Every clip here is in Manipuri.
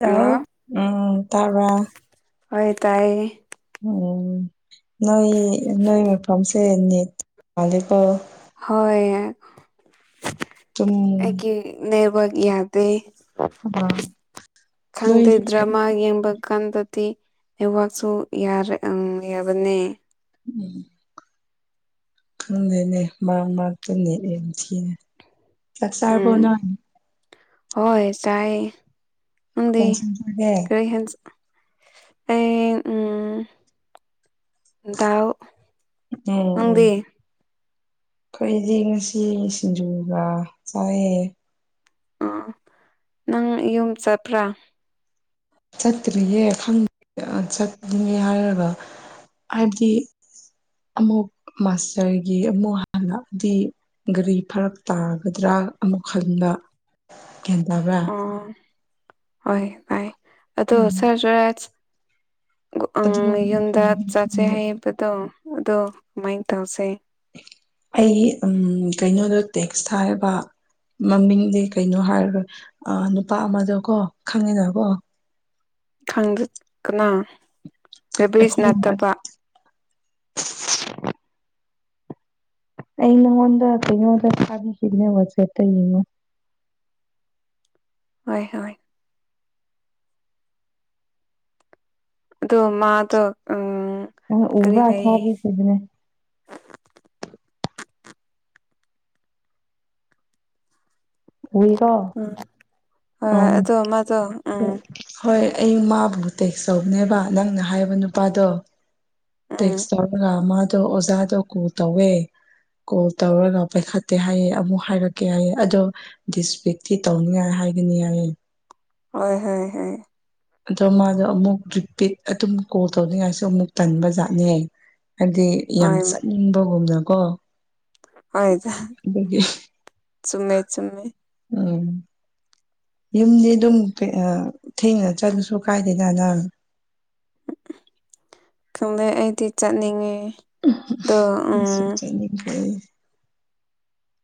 ꯍꯜꯂꯣ ꯎꯝ ꯇꯥꯕ꯭ꯔꯥ ꯍꯣꯏ ꯇꯥꯏ ꯎꯝ ꯅꯣꯏ ꯅꯣꯏ ꯃꯐꯝꯁꯦ ꯅꯦꯠ [unintelligible] ꯀꯣ ꯍꯣꯏ ꯗꯨꯝ ꯑꯩꯒꯤ ꯅꯦꯠꯋꯒ ꯌꯥ ꯑ [unintelligible] ꯈꯪꯗꯦ ꯅꯣꯏꯁꯦ ꯗ꯭ꯔꯥꯃꯥ ꯌꯦꯡꯕ ꯀꯥꯟꯗꯗꯤ ꯑꯩꯋꯥꯛꯁꯨ ꯌꯥꯔ ꯎꯝ ꯌꯥꯕꯅꯦ ꯎꯝ ꯈꯪꯗꯦꯅꯦ ꯃꯥꯔꯛ ꯃꯥꯥꯔꯛꯇ ꯅꯦꯠ ꯌꯥꯝ ꯊꯤ ꯆꯥꯛ ꯆꯥꯔꯕꯣ ꯎꯝ ꯅꯪ ꯍꯣꯏ ꯆꯥꯏ ꯀꯩ ꯅꯪꯗꯤ ꯏꯟꯁꯥꯡ ꯆꯥꯒꯦ ꯀꯔꯤ ꯍꯦꯟ ꯑꯩ ꯎꯝ ꯗꯥꯜ ꯎꯝ ꯅꯪꯗꯤ ꯎꯝ ꯑꯩꯈꯣꯏꯗꯤ ꯉꯁꯤ ꯁꯤꯡꯖꯨꯒ ꯆꯥꯏꯌꯦ ꯎꯝ ꯅꯪ ꯌꯨꯝ ꯆꯠꯄ꯭ꯔꯥ ꯆꯠꯇ꯭ꯔꯤꯌꯦ ꯈꯪꯗꯦ ꯆꯠꯅꯤ ꯍꯥꯏꯔꯒ ꯍꯥꯏꯕꯗꯤ ꯑꯃꯨꯛ ꯃꯥꯁꯇꯔꯒꯤ ꯑꯃꯨꯛ ꯍꯥꯟꯅꯗꯤ ꯒꯥꯔꯤ ꯐꯔꯛ ꯇꯥꯒꯗ꯭ꯔꯥ ꯑꯃꯨꯛ ꯈꯟꯕ ꯒꯌ꯭ꯥꯟ ꯇꯕ꯭ꯔꯥ ꯑꯣ ꯍꯣꯏ ꯇꯥꯏ ꯑꯗꯣ ꯎꯝ [unintelligible] ꯑꯪ ꯑꯗꯨ ꯌꯨꯝꯗ ꯆꯥꯠꯆꯩ ꯍꯩꯕꯗꯣ ꯑꯗꯣ ꯀꯃꯥꯏꯅ ꯇꯧꯁꯦ ꯑꯩ ꯎꯝ ꯀꯩꯅꯣꯗ ꯇꯦꯛꯁ ꯊꯥꯏꯑꯕ ꯃꯃꯤꯡꯗꯤ ꯀꯩꯅꯣ ꯍꯥꯏꯔꯒ ꯑ ꯅꯨꯄꯥ ꯑꯃꯗꯀꯣ ꯈꯪꯉꯤꯅꯀꯣ ꯈꯪꯗꯦ ꯀꯅꯥ ꯔꯦꯕꯤꯔꯤꯖ ꯑꯩꯈꯣꯏꯅ ꯅꯠꯇꯕ ꯑꯩ ꯅꯉꯣꯟꯗ ꯀꯩꯅꯣꯗ ꯊꯥꯕꯤꯈꯤꯕꯅꯦ ꯋꯥꯠꯁꯑꯦꯞꯇ ꯌꯦꯡꯉꯣ ꯍꯣꯏ ꯍꯣꯏ ꯗ‌ꯣ ꯃꯥꯗ‌ꯣ ꯎꯝ ꯅ‌ꯪ ꯀꯔꯤ ꯎꯕ ꯍꯥꯏꯌꯦ ꯊꯕꯤꯈꯤꯕꯅ‌ꯦ ꯎꯏꯔ‌ꯣ ꯎꯝ ꯎꯝ ꯍꯣꯏ ꯑꯗꯣ ꯃꯥꯗꯣ ꯎꯏ ꯎꯝ ꯍꯣꯏ ꯑꯩ ꯃꯥꯕꯨ ꯇꯦꯛꯆꯧꯕꯅꯦꯕ ꯅꯪꯅ ꯍꯥꯏꯕ ꯅꯨꯄꯥꯗꯣ ꯎꯝ ꯇꯦꯛꯁ ꯇꯧꯒ ꯃꯥꯗꯣ ꯑꯣꯖꯥꯗꯣ ꯀ‌ꯣꯜ ꯇꯧꯋꯦ ꯀꯣꯜ ꯇꯧꯔꯒ ꯄꯥꯏꯈꯠꯇꯦ ꯍꯥꯏꯌꯦ ꯑꯃꯨꯛ ꯍꯥꯏꯔꯛꯀꯦ ꯍꯥꯏꯌꯦ ꯑꯗꯣ ꯗꯤꯁꯄꯤꯛꯇꯤ ꯇꯧꯅꯤꯉꯥꯏ ꯍꯥꯏꯒꯅꯤ ꯍꯥꯏꯌꯦ ꯍꯣꯏ ꯍꯣꯏ ꯍ‌ꯣꯏ ꯑꯗꯣ ꯃꯥꯗꯣ ꯑꯃꯨꯛ ꯇꯔꯤꯄꯤꯠ ꯑꯗꯨꯝ ꯀꯣꯜ ꯇꯧꯅꯤꯡꯉꯥꯏꯁꯨ ꯑꯃꯨꯛ ꯇꯟꯕꯖꯥꯠꯅꯦ ꯍꯥꯏꯗꯤ ꯌꯥꯝ ꯍꯣꯏ ꯆꯠꯅꯤꯡꯕꯒꯨꯝꯅꯀꯣ ꯍꯣꯏꯗ ꯑꯗꯨꯒꯤ ꯆꯨꯝꯃꯦ ꯆꯨꯝꯃꯦ ꯎꯝ ꯌꯨꯝꯗꯤ ꯑꯗꯨꯝ ꯊꯦꯡꯅ ꯆꯠꯂꯨꯁꯨ ꯀꯥꯏꯗꯦ ꯗ ꯅ ꯈꯪꯗꯦ ꯑꯩꯗꯤ ꯆꯠꯅꯤꯡꯉꯦ ꯑꯗꯣ ꯑꯩꯁꯨ ꯎꯝ ꯆꯠꯅꯤꯡ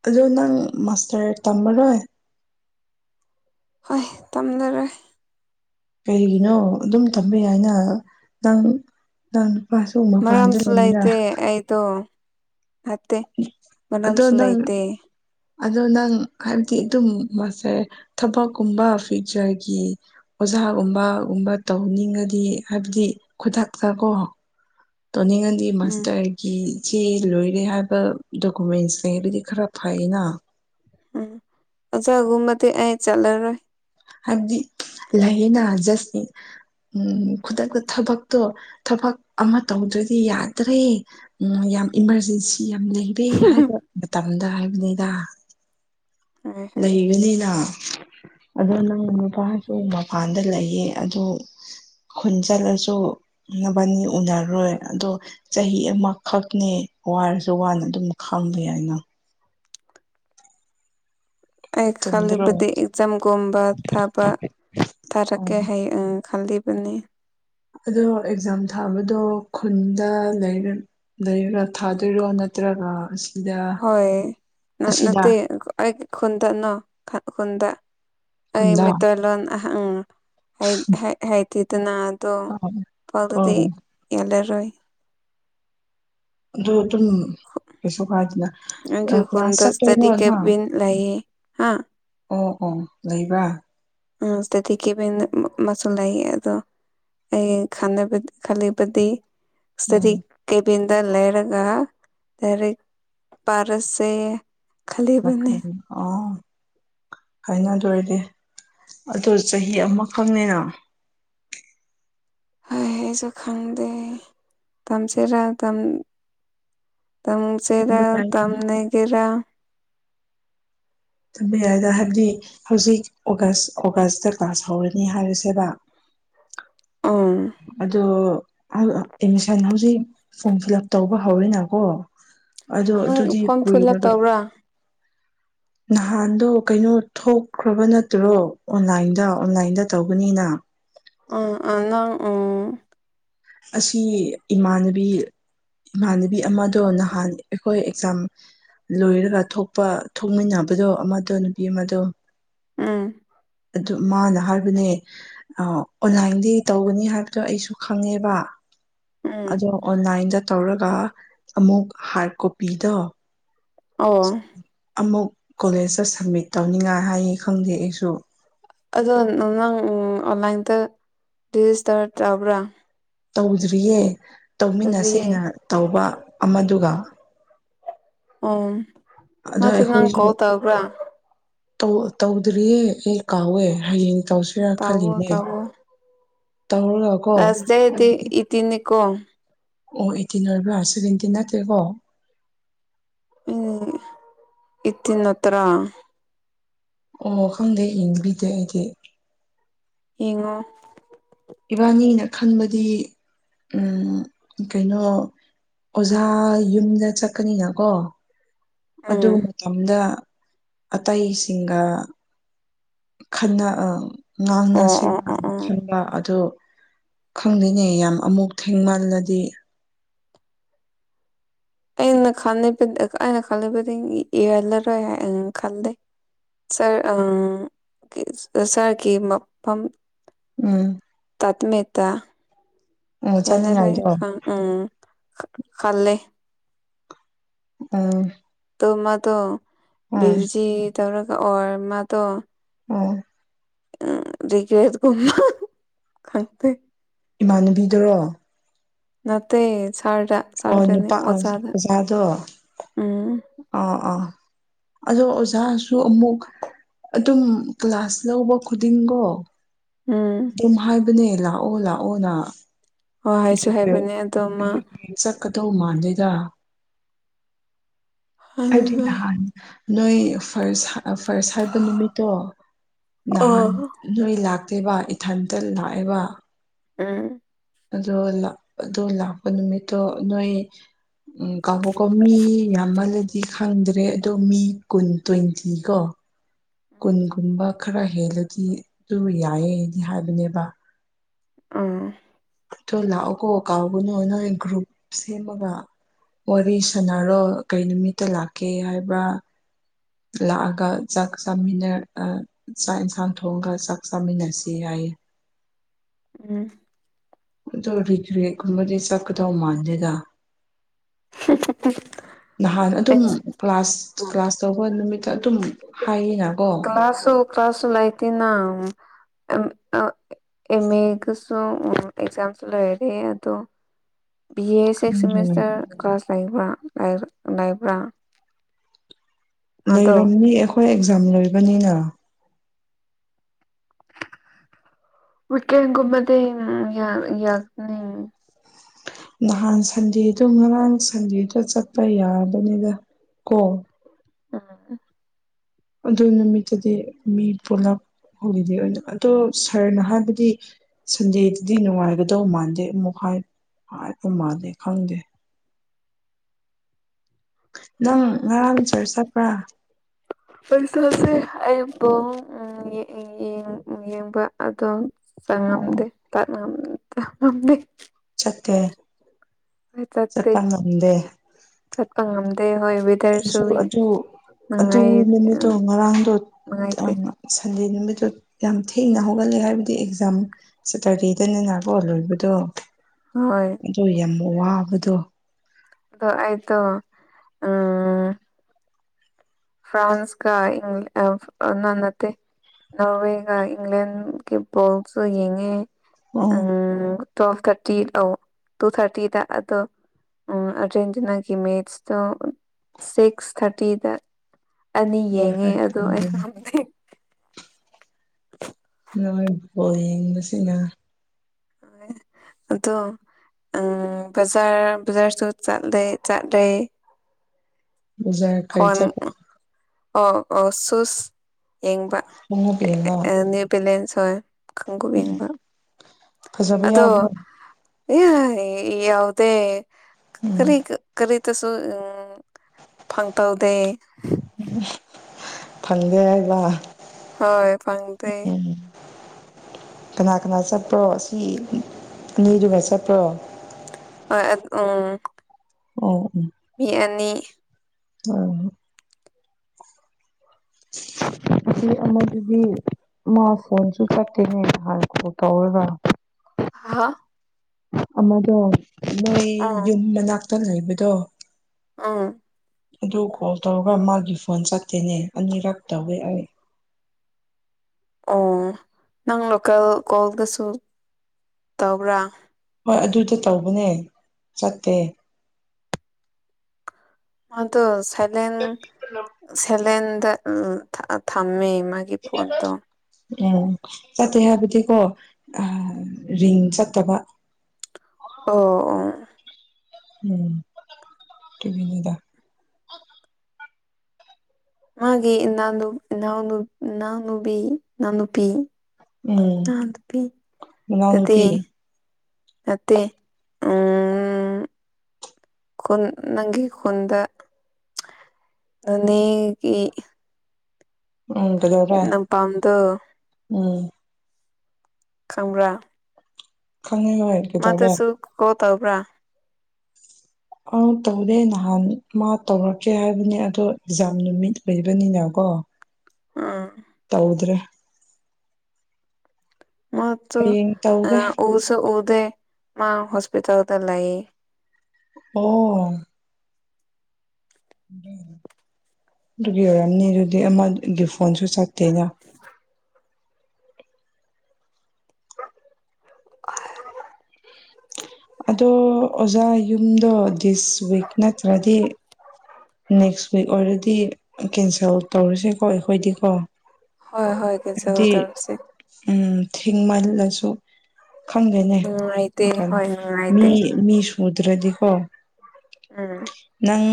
ꯑꯗꯨꯣ ꯅꯪ ꯃꯥꯁꯇꯔ ꯇꯝꯃꯔꯣꯏ ꯍꯣꯏ ꯇꯝꯂꯔꯣꯏ ꯀꯔꯤꯒꯤꯅꯣ ꯑꯗꯨꯝ ꯇꯝꯕ ꯌꯥꯏꯅ ꯅꯪ ꯅꯪ ꯅꯨꯄꯥꯁꯨ ꯄꯥꯟꯗ ꯃꯔꯝꯁꯨ ꯂꯩꯔꯤꯔ ꯂꯩꯇꯦ ꯑꯩꯗꯣ ꯅꯠꯇꯦ ꯑꯗꯣ ꯃꯅꯝꯁꯨ ꯅꯪ ꯂꯩꯇꯦ ꯑꯗꯣ ꯅꯪ ꯍꯥꯏꯕꯗꯤ ꯑꯗꯨꯝ ꯃꯥꯁꯦ ꯊꯕꯛꯀꯨꯝꯕ ꯐ꯭ꯌꯨꯆꯔꯒꯤ ꯑꯣꯖꯥꯒꯨꯝꯕꯒꯨꯝꯕ ꯇꯧꯅꯤꯡꯉꯗꯤ ꯍꯥꯏꯕꯗꯤ ꯈꯨꯗꯛꯇ ꯀꯣ ꯇꯣꯅꯤꯡ ꯉꯗꯤ ꯎꯝ ꯃꯁꯇꯔ ꯀꯆꯦ ꯂꯣꯏꯔꯦ ꯍꯥꯏꯕ ꯗꯣꯀꯨꯃꯦꯟꯁ ꯂꯩ ꯑꯗꯨꯗꯤ ꯈꯔ ꯐꯩꯅ ꯎꯝ ꯑꯣꯖꯥꯒꯨꯝꯕꯗꯤ ꯑꯩ ꯆꯠꯂꯔꯣꯏ ꯍꯥꯏꯗꯤ ꯂꯥꯏꯔꯤꯅꯥ ꯖꯁꯅꯤ ꯎꯝ ꯈꯨꯗꯛꯇ ꯊꯕꯛꯇꯣ ꯊꯕꯛ ꯑꯃ ꯇꯧꯗ꯭ꯔꯗꯤ ꯌꯥꯗ꯭ꯔꯦ ꯎꯝ ꯌꯥꯝ ꯏꯃꯥꯔꯖꯦꯟꯁꯤ ꯌꯥꯝ ꯂꯩꯔꯦ ꯍꯥꯏꯕ ꯃꯇꯝꯗ ꯍꯥꯏꯕꯅꯤꯗ ꯍꯣꯏ ꯍꯣꯏ ꯂꯩꯒꯅꯤꯅ ꯑꯗꯨ ꯅꯪ ꯅꯨꯄꯥꯁꯨ ꯃꯄꯥꯟꯗ ꯂꯩꯌꯦ ꯑꯗꯨ ꯈꯨꯟ ꯆꯠꯂꯁꯨ ꯅꯥꯕꯅꯤ ꯎꯅꯔꯣꯏ ꯑꯗꯣ ꯆꯍꯤ ꯑꯃꯈꯛꯅꯦ ꯋꯥꯔꯁꯨ ꯋꯥꯅ ꯑꯗꯨꯝ ꯈꯥꯝꯕ ꯌꯥꯏꯅ ꯑꯩ ꯆꯨꯝꯗ꯭ꯔꯣ ꯈꯜꯂꯤꯕꯗꯤ ꯑꯦꯛꯖꯥꯝꯒꯨꯝꯕ ꯊꯥꯕ ꯊꯥꯔꯛꯀꯦ ꯍꯥꯏꯌꯦ ꯎꯝ ꯈꯜꯂꯤꯕꯅꯤ ꯑꯗꯣ ꯑꯦꯛꯖꯥꯝ ꯊꯥꯕꯗꯣ ꯈꯨꯟꯗ ꯂꯩꯔ ꯂꯩꯔꯒ ꯊꯥꯗ‌ꯣꯏꯔꯣ ꯅꯠꯇ꯭ꯔꯒ ꯑꯁꯤꯗ ꯍꯣꯏ ꯅꯠ ꯑꯁꯤꯗ ꯅꯠꯇ‌ꯦ ꯑꯩ ꯈꯨꯟꯗ ꯅꯣ ꯈꯨꯟꯗ ꯑꯩ ꯈꯨꯟꯗ ꯃꯩꯇꯩꯂꯣꯟ ꯑꯍꯪ ꯍꯩ ꯍꯩ ꯍꯥꯏꯇꯦꯗꯅ ꯑꯗꯣ ꯏꯝꯐꯥꯜ ꯗꯗꯤ ꯑꯣ ꯌꯥꯜꯂꯔꯣꯏ ꯑꯗꯣ ꯑꯗꯨꯝ ꯀꯩꯁꯨ ꯀꯥꯏꯗ‌‌ꯦꯅ ꯑ ꯑꯩꯒꯤ ꯀ꯭ꯂꯥꯁ ꯈꯨꯟꯗ ꯏꯁꯇꯗꯤ ꯆꯠꯇ‌ꯣꯏꯔ‌ꯣ ꯅꯪ ꯀꯦꯕꯤꯟ ꯂꯩꯌꯦ ꯍꯥ ꯑꯣ ꯑꯣ ꯂꯩꯕꯔ ꯎꯝ ꯁ ꯇꯗꯤ ꯀꯕꯤꯟ ꯃꯁꯨꯂꯩꯌ‌‌ꯦ ꯑꯗꯣ ꯑꯩ ꯈꯟꯅꯤꯕꯗꯤ ꯈꯜꯂꯤꯕꯗꯤ ꯎꯝ ꯏꯁꯇꯗꯤ ꯀꯦꯕꯤꯟꯗ ꯂꯩꯔꯒ ꯗꯥꯏꯔꯦꯛ ꯄꯥꯔꯁꯦ ꯂ ꯈꯜꯂꯤꯕꯅꯤ ꯈꯔ [unintelligible] ꯑꯣ ꯈ ꯪꯗꯦ ꯑꯗꯨ ꯑꯣꯏꯔꯗꯤ ꯑꯗꯨ ꯆꯍꯤ ꯑꯃꯈꯛꯅꯤꯅ ꯍꯣꯏ ꯑꯩꯁꯨ ꯈꯪꯗꯦ ꯇꯝꯁꯤꯔꯥ ꯇꯝ ꯆꯦꯔꯥ ꯆꯨꯝꯕ ꯌꯥꯏ ꯇꯝ ꯅꯒꯦꯔꯥ ꯇꯝꯕ ꯌꯥꯏꯗ ꯍꯥꯏꯕꯗꯤ ꯍꯧꯖꯤꯛ ꯑꯣꯒꯁ ꯑꯣꯒꯁꯇ ꯀ꯭ꯂꯥꯁ ꯍꯧꯔꯅꯤ ꯍꯥꯏꯔꯤꯁꯦꯕ ꯎꯝ ꯑꯗꯣ ꯑꯦꯗꯃꯤꯁꯟ ꯍꯧꯖꯤꯛ ꯐꯣꯔꯝ ꯐꯤꯜ ꯑꯞ ꯇꯧꯕ ꯍꯧꯋꯦꯅꯀꯣ ꯑꯗꯣ ꯅꯪ ꯑꯗꯨꯗꯤ ꯐꯣꯔꯝ ꯐꯤꯜ ꯑꯞ ꯀꯨꯏꯔꯒ ꯇꯧꯕ꯭ꯔꯥ ꯅꯍꯥꯟꯗꯣ ꯀꯩꯅꯣ ꯊꯣꯛꯈ꯭ꯔꯕ ꯅꯠꯇ꯭ꯔꯣ ꯑꯣꯟꯂꯥꯏꯟꯗ ꯑꯣꯟꯂꯥꯏꯟꯗ ꯇꯧꯧꯕꯅꯤꯅ ꯑꯨꯝ ꯑꯣ ꯅꯪ ꯎꯝ ꯑꯁꯤ ꯏꯃꯥꯟꯅꯕꯤ ꯏꯃꯥꯟꯅꯕꯤ ꯑꯃꯗꯣ ꯅꯍꯥꯟ ꯑꯩꯈꯣꯏ ꯑꯦꯛꯖꯥꯝ ꯂꯣꯏꯔꯒ ꯊꯣꯛꯄ ꯊꯣꯛꯃꯤꯟꯅꯕꯗꯣ ꯑꯃꯗꯣ ꯅꯨꯄꯤ ꯑꯃꯗꯣ ꯎꯝ ꯑꯗꯨ ꯃꯥꯅ ꯍꯥꯏꯕꯅꯦ ꯑ ꯑꯣꯟꯂꯥꯏꯟꯗꯤ ꯇꯧꯒꯅꯤ ꯍꯥꯏꯕꯗꯣ ꯑꯩꯁꯨ ꯈꯪꯉꯦꯕ ꯎꯝ ꯑꯗꯣ ꯑꯣꯟꯂꯥꯏꯟꯗ ꯇꯧꯔꯒ ꯑꯃꯨꯛ ꯍꯥꯔꯠ ꯀꯣꯄꯤꯗꯣ ꯑꯣ ꯑꯃꯨꯛ ꯀꯣꯂꯦꯖꯇ ꯁꯕꯃꯤꯠ ꯇꯧꯅꯤꯡꯉꯥꯏ ꯍꯥꯏꯌꯦ ꯈꯪꯗꯦ ꯑꯩꯁꯨ ꯑꯗꯣ ꯅꯪ ꯑꯣꯟꯂꯥꯏꯟꯗ ꯔꯦꯖꯤꯁꯇꯔ ꯇꯕ꯭ꯔꯥ ꯇꯧꯗ꯭ꯔꯤꯌꯦ ꯇꯧꯃꯤꯟꯅꯁꯦꯅ ꯑꯗꯨꯗꯤꯌꯦ ꯇꯧꯕ ꯑꯃꯗꯨꯒ ꯎꯝ ꯑꯗꯣ ꯃꯥꯗꯣ ꯅꯪ ꯑꯩꯈꯣꯏꯁꯨ ꯀꯣꯜ ꯇꯧꯕ꯭ꯔꯥ ꯇꯧꯗ꯭ꯔꯤꯌꯦ ꯑꯩ ꯀꯥꯎꯋꯦ ꯍꯌꯦꯡ ꯇꯧꯁꯤꯔ ꯇꯧꯋꯣ ꯈꯜꯂꯤꯅꯦ ꯇꯧꯋꯣ ꯇꯧꯔꯣ ꯂꯥꯁ ꯗꯦ ꯗꯤ ꯑꯥꯏꯇꯤꯟ ꯅꯦꯀꯣ ꯑꯣ ꯑꯥꯇꯤꯟ ꯑꯣꯏꯕ꯭ꯔꯥ ꯁꯥꯕꯦꯟꯇꯤꯟ ꯅꯠꯇꯦꯀꯣ ꯑꯩꯠꯇꯤꯟ ꯅꯠꯇꯔꯥ [unintelligible] ꯑꯣ ꯈꯪꯗꯦ ꯌꯦꯡꯕꯤꯗꯦ ꯑꯩꯗꯤ ꯌꯦꯡꯉꯣ ꯏꯕꯥꯅꯤꯅ ꯈꯟꯕꯗꯤ ꯎ ꯀꯩꯅꯣ ꯑꯣꯖꯥ ꯌꯨꯝꯗ ꯆꯠꯀꯅꯤꯅꯀꯣ ꯑꯗꯨ ꯎꯝ ꯃꯇꯝꯗ ꯑꯇꯩꯁꯤꯡꯒ ꯈꯟꯅ ꯑꯣ ꯉꯥꯡꯅꯁꯦ ꯑꯣ ꯑꯣ ꯑꯣ ꯈꯟꯕ ꯑꯗ ꯈꯪꯗꯦꯅꯦ ꯌꯥꯝ ꯑꯃꯨꯛ ꯊꯦꯡꯃꯜꯂꯗꯤ ꯑꯩꯅ ꯈꯜꯂꯤ ꯑꯩꯅ ꯈꯜꯂꯤꯕꯗꯤ ꯏꯍꯜꯂꯔꯣꯏ ꯍꯥꯏ ꯑ ꯈꯜꯂꯤ ꯁꯥꯔ ꯑ ꯁꯥꯔꯒꯤ ꯃꯐꯝ ꯎꯝ ꯇꯠꯃꯦꯦꯇꯥ ꯎꯝ ꯌꯥꯂꯔ ꯆꯥꯅꯤꯡꯉꯥꯏꯗꯣ ꯈ [unintelligible] ꯎꯝ ꯈ ꯈꯜꯂꯦ ꯑ [unintelligible] ꯇꯣ ꯃꯥꯗꯣ ꯕ꯭ꯌꯨꯖꯤ ꯇꯧꯔꯒ ꯑꯣꯔ ꯃꯥꯗꯣ ꯑꯣ ꯎ ꯔꯤꯒ꯭ꯔꯦꯠ ꯟꯅ ꯈꯪꯗꯦ [unintelligible] ꯏꯃꯥꯟꯅꯕꯤꯗꯔꯣ ꯅꯠꯇꯦ ꯁꯥꯔꯗ ꯑꯣ ꯁꯥꯔꯗꯅꯦ ꯅꯨꯄꯥ ꯑꯣꯖꯥꯗ ꯑꯣꯖꯥꯗꯣ ꯎꯝ ꯑꯥ ꯑꯥ ꯑꯗꯣ ꯑꯣꯖꯥꯁꯨ ꯑꯃꯨꯛ ꯑꯗꯨꯝ ꯀ꯭ꯂꯥꯁ ꯂꯧꯕ ꯈꯨꯗꯤꯡꯀꯣ ꯎꯝ ꯑꯗꯨꯨꯝ ꯍꯥꯏꯕꯅꯦ ꯂꯥꯛꯑꯣ ꯂꯥꯛꯑꯣ ꯅ ꯑꯣ ꯍꯥꯏꯁꯨ ꯍꯥꯏꯕꯅꯦ ꯑꯗꯣ ꯃꯥ ꯆꯠꯀꯗꯧ ꯃꯥꯗꯦꯗ ꯍꯥꯏꯗꯤ ꯑꯣ ꯅꯍꯥꯟ ꯅꯣꯏ ꯐꯥꯔꯁ ꯐꯥꯔꯁ ꯍꯥꯏꯕ ꯅꯨꯃꯤꯠꯇꯣ ꯅꯍꯥꯟ ꯅꯣꯏ ꯂꯥꯛꯇꯦꯕ ꯊꯟꯇꯥ ꯂꯥꯛ ꯑꯦꯕ ꯎꯝ ꯑꯗꯣ ꯑꯗꯣ ꯂꯥꯛꯄ ꯅꯨꯃꯤꯠꯇꯣ ꯅꯣꯏ ꯎꯝ ꯀꯕꯣꯛꯀ ꯃꯤ ꯌꯥꯝꯃꯜꯂꯗꯤ ꯈꯪꯗ꯭ꯔꯦ ꯑꯗꯣ ꯃꯤ ꯀꯨꯟ ꯇ꯭ꯋꯦꯟꯇꯤ ꯀꯣ ꯀꯨꯟ ꯀꯨꯝꯕꯥ ꯈꯔ ꯍꯦꯜꯂꯗꯤ ꯑꯗꯨ ꯌꯥꯏꯑꯗꯤ ꯍꯥꯏꯕꯅꯦꯕ ꯑꯥ ꯑꯗꯨ ꯂꯥꯛꯑꯣꯀꯣ ꯀꯥꯎꯒꯅꯨ ꯅꯣꯏ ꯒ꯭ꯔꯨꯞ ꯁꯦꯝꯃꯒ ꯋꯥꯔꯤ ꯁꯥꯟꯅꯔꯣ ꯀꯩ ꯅꯨꯃꯤꯠꯇ ꯂꯥꯛꯀꯦ ꯍꯥꯏꯕ꯭ꯔꯥ ꯂꯑꯒ ꯆꯥꯛ ꯆꯃꯤꯅ ꯑ ꯆꯥꯛ ꯏꯟꯁꯥꯡ ꯊꯣꯡꯒ ꯆꯥꯛ ꯆꯥꯃꯤꯟꯅꯁꯤ ꯌꯥꯏꯌꯦ ꯎꯝ ꯑꯗꯨ ꯔꯦꯒꯔ꯭ꯦꯠꯕꯗꯤ ꯆꯥꯠꯀꯗ ꯃꯥꯥꯟꯗꯦꯗ [unintelligible] ꯅꯍꯥꯟ ꯑꯩ ꯑꯗꯨꯝ ꯀ꯭ꯂꯥꯁ ꯀ꯭ꯂꯥꯁ ꯇꯧꯕ ꯅꯨꯃꯤꯠꯇ ꯑꯗꯨꯝ ꯍꯥꯏꯑꯦꯅ ꯀꯣ ꯑꯁꯨ [unintelligible] ꯀ꯭ꯂꯥꯁ ꯂꯩꯇꯦꯅ ꯑꯦꯝ ꯑꯦꯒꯁꯨ ꯑꯦꯛꯖꯥꯝꯁꯨ ꯂꯣꯏꯔꯦ ꯑꯗꯣ ꯕꯤ ꯑꯦ ꯁꯤꯛꯁ ꯈꯪꯗꯦ ꯁꯤꯃꯤꯁꯇꯔ ꯀ꯭ꯂꯥꯁ ꯂꯩꯕ꯭ꯔꯥ ꯂꯥꯏꯕ꯭ꯔꯥ ꯂꯩꯔꯝꯅꯤ ꯑꯩꯈꯣꯏ ꯑꯦꯛꯖꯥꯝ ꯂꯣꯏꯕꯅꯤꯅ [inaudible] ꯅꯍꯥꯟ ꯁꯟꯗꯦꯗꯨ ꯉꯔꯥꯡ ꯁꯟꯗꯦꯗꯣ ꯆꯠꯄ ꯌꯥꯕꯅꯤꯗ ꯀꯣ [unintelligible] ꯑꯗꯨ ꯅꯨꯃꯤꯠꯇꯨꯗꯤ ꯃꯤ ꯄꯨꯂꯞ ꯍꯣꯂꯤꯗꯦ ꯑꯣꯏꯅ ꯑꯗꯣ ꯁ꯭ꯔꯅꯥ ꯍꯥꯏꯕꯗꯤ ꯁꯟꯗꯦꯗꯨꯗꯤ ꯅꯨꯡꯉꯥꯏꯒꯗꯧ ꯃꯥꯟꯗꯦ ꯑꯃꯨꯛ ꯍꯥꯏ ꯍꯥꯏ ꯃꯥꯜꯂꯦ ꯈꯪꯗꯦ ꯅꯪ ꯉꯔꯥꯡ ꯆꯥꯔꯠ ꯆꯠꯄ꯭ꯔꯥ ꯄꯩꯁꯥꯁꯦ ꯑꯩꯕꯨ ꯌꯦꯡꯕ ꯑꯗꯣ ꯑꯣ ꯆꯪꯉꯝꯗꯦꯉꯝꯗꯦ [unintelligible] ꯆꯠꯇꯦ ꯑꯩ ꯆꯠꯇꯦ ꯆꯠꯄ ꯉꯝꯗꯦ ꯆꯠꯄ ꯉꯝꯗꯦ ꯍꯣꯏ ꯋꯤ ꯑꯩꯁꯨ ꯑꯗꯨ ꯑꯗꯨ ꯅꯨꯃꯤꯠꯇꯣ ꯉꯔꯥꯡꯗꯣ ꯅꯨꯡꯉꯥꯏꯇꯦ ꯌꯥꯝꯅ ꯁꯟꯗꯦ ꯅꯨꯃꯤꯠꯇꯨ ꯌꯥꯝ ꯊꯦꯡꯅ ꯍꯧꯒꯠꯂꯦ ꯍꯥꯏꯕꯗꯤ ꯑꯦꯛꯖꯥꯝ ꯁꯇ꯭ꯔꯗꯦ ꯗꯅꯦꯅ ꯀꯣ ꯂꯣꯏꯕꯗꯣ ꯍꯣꯏ ꯑꯗꯣ ꯌꯥꯝ ꯋꯥꯕꯗꯣ ꯑꯗꯣ ꯑꯩꯗꯣ ꯎꯝ ꯐ꯭ꯔꯥꯟꯁꯀꯥ ꯏꯪꯂꯦꯟ ꯑ ꯅ ꯅꯠꯇꯦ ꯅꯣꯔꯋꯦꯒ ꯏꯪꯂꯦꯟ ꯒꯤ ꯕꯣꯜꯁꯨ ꯌꯦꯡꯉꯦ ꯑꯣ ꯎꯝ ꯇ꯭ꯋꯦꯜꯐ ꯊꯥꯔꯇꯤ ꯑꯧ ꯇꯨ ꯊꯥꯔꯇꯤꯗ ꯑꯗꯣ ꯎꯝ ꯑꯔꯖꯦꯟꯇꯤꯅꯥꯒꯤ ꯃꯦꯠꯁꯇꯣ ꯁꯤꯛꯁ ꯊꯥꯔꯇꯤꯗ ꯑꯅꯤ ꯍꯣꯏ ꯌꯦꯡꯉꯦ ꯑꯗꯣ ꯑꯩꯅ ꯍꯣꯏ ꯉꯝꯗꯦ ꯅꯣꯏ ꯕꯣꯜ ꯌꯦꯡꯕꯥꯁꯤꯅ ꯑꯗꯣ ꯎꯝ ꯕꯖꯥꯔ ꯕꯖꯥꯔꯁꯨ ꯆꯠꯂꯦ ꯆꯠꯂꯦ ꯕꯖꯥꯔ ꯀꯔꯤ ꯈꯣꯟ ꯆꯠꯄ ꯑꯣ ꯑꯣ ꯁꯨꯁ ꯌꯦꯡꯕ ꯈꯣꯡꯎꯞ ꯌꯦꯡꯕ ꯑ-ꯑ ꯅ꯭ꯌꯨꯕꯦꯂꯦꯟꯁ ꯍꯣꯏ ꯈꯨꯡꯒꯨꯞ ꯌꯦꯡꯕ ꯐꯖꯕ ꯑꯗꯣ ꯌꯥꯎꯕ ꯌꯤꯑꯥꯏ ꯌꯥꯎꯗꯦ ꯀ꯭ꯔꯤ ꯎꯝ ꯀ꯭ꯔꯤꯇꯥꯁꯨ ꯎꯝ ꯐꯪ ꯇꯧꯗꯦ ꯐꯪꯗꯦ ꯍꯥꯏꯕ ꯍꯣꯏ ꯐꯪꯗꯦ ꯀꯅꯥ ꯀꯅꯥ ꯆꯠꯄ꯭ꯔꯣ ꯁꯤ ꯑꯅꯤꯗꯨꯒ ꯆꯠꯄ꯭ꯔꯣ ꯍꯣꯏ ꯑꯠ-ꯎꯝ ꯑꯣꯎ ꯃꯤ ꯑꯅꯤ ꯍꯣꯏ [unintelligible] ꯑꯁꯤ ꯑꯃꯥꯗꯨꯗꯤ ꯃꯥ ꯐꯣꯟꯁꯨ ꯆꯠꯇꯦꯅꯦ ꯍꯥꯟꯅ ꯀꯣꯜ ꯇꯧꯔꯥꯒ ꯍꯥ ꯑꯃꯥꯗꯣ ꯅꯣꯏ ꯑꯥ ꯌꯨꯝ ꯃꯅꯥꯛꯇ ꯂꯩꯕꯥꯗꯣ ꯑꯧ ꯑꯗꯨ ꯀꯣꯜ ꯇꯧꯔꯒ ꯃꯥꯒꯤ ꯐꯣꯟ ꯆꯠꯇꯦꯅꯦ ꯑꯅꯤꯔꯛ ꯇꯧꯋꯦ ꯑꯩ ꯑꯣ ꯅꯪ ꯂꯣꯀꯦꯜ ꯀꯣꯜꯗꯁꯨ ꯇꯧꯕ꯭ꯔꯥ ꯍꯣꯏ ꯑꯗꯨꯗ ꯇꯧꯕꯅꯦ ꯆꯠꯇꯦ ꯃꯥꯗꯣ ꯁꯥꯏꯂꯦꯟ ꯁꯥꯏꯂꯦꯟꯗ ꯎꯝ ꯊꯝꯃꯦ ꯃꯥ ꯁꯤ [unintelligible] ꯎꯝ ꯆꯠꯇꯦ ꯍꯥꯏꯕꯗꯤꯀꯣ ꯑ ꯔꯤꯡ ꯆꯠꯇꯥꯕ ꯑꯣ ꯑꯣ [unintelligible] ꯎꯝ ꯑꯗꯨꯒꯤꯅꯦꯗ ꯃꯥꯒꯤ ꯏꯅꯥꯎ ꯅꯨ ꯏꯅꯥꯎꯅꯨ ꯏꯅꯥꯎꯅꯨꯕꯤ ꯏꯅꯥꯎ ꯅꯨꯄꯤ ꯎꯝ ꯑ ꯑꯗꯨ ꯑꯗꯨꯗꯤ ꯃꯅꯥꯎꯅꯨꯄꯤ ꯅꯠꯇ ꯎꯝ ꯈꯨꯟ ꯅꯪꯒꯤ ꯈꯨꯟꯗ ꯅꯣꯅꯦꯒꯤ ꯎꯝ ꯀꯩꯗꯧꯔꯦ ꯅꯝꯄꯥꯝꯗꯣ ꯎꯝ ꯈꯪꯕ꯭ꯔꯥ ꯈꯪꯉꯤ ꯍꯣꯏ ꯀꯩꯗꯧꯔꯦ ꯃꯥꯗꯨꯁꯨ ꯀꯣꯜ ꯇꯧꯕ꯭ꯔꯥ ꯀꯣꯜ ꯇꯧꯗꯦ ꯅꯍꯥꯟ ꯃꯥ ꯇꯧꯔꯛꯀꯦ ꯍꯥꯏꯕꯅꯦ ꯑꯗꯣ ꯑꯦꯛꯖꯥꯝ ꯅꯨꯃꯤꯠ ꯑꯣꯏꯕꯅꯤꯅ ꯀꯣ ꯑꯥ [unintelligible] ꯇꯧꯗꯔꯦ ꯃꯥꯗꯣ ꯍꯌꯦꯡ ꯑ ꯇꯧꯒꯦ ꯎꯁꯨ ꯎꯗꯦ ꯃꯥ ꯍꯣꯁꯄꯤꯇꯥꯜꯗ ꯂꯩ ꯑꯣ ꯑꯗꯨꯒꯤ ꯑꯣꯏꯔꯝꯅꯤ ꯑꯗꯨꯗꯤ ꯑꯃꯒꯤ ꯐꯣꯟꯁꯨ ꯆꯠꯇꯦꯗ [unintelligible] ꯑ [unintelligible] ꯑꯗꯣ ꯑꯣꯖꯥ ꯌꯨꯝꯗꯣ ꯗꯤꯁ ꯋꯤꯛ ꯅꯠꯇ꯭ꯔꯗꯤ ꯅꯦꯛꯁ ꯋꯤꯛ ꯑꯣꯏꯔꯥꯗꯤ ꯀꯦꯟꯁꯦꯜ ꯇꯧꯔꯥꯁꯦꯀꯣ ꯑꯩꯈꯣꯏꯗꯤꯀꯣ ꯍꯣꯏ ꯍꯣꯏ ꯍꯥꯏꯕꯗꯤ ꯀꯦꯟꯁꯦꯜꯇꯧꯔꯁꯤ ꯎꯝ ꯊꯦꯡꯃꯜꯂꯁꯨ ꯈꯪꯗꯦꯅꯦ ꯅꯨꯡꯉꯥꯏꯇꯦ ꯑꯠ ꯍꯣꯏ ꯅꯨꯡꯉꯥꯏꯇꯦ ꯃꯤ ꯃꯤ ꯁꯨꯗ꯭ꯔꯗꯤꯀꯣ ꯎꯝ ꯅꯪ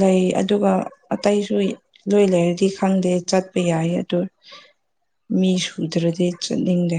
ꯂꯩ ꯑꯗꯨꯒ ꯑꯇꯩꯁꯨ ꯂꯣꯏ ꯂꯩꯔꯗꯤ ꯈꯪꯗꯦ ꯆꯠꯄ ꯌꯥꯏ ꯑꯗꯨ ꯃꯤ ꯁꯨꯗ꯭ꯔꯗꯤ ꯆꯠꯅꯤꯡꯗꯦ